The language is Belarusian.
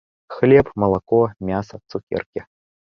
Хлеб, малако, мяса, цукеркі.